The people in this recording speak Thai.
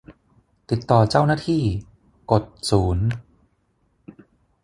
ติดต่อเจ้าหน้าที่ กดศูนย์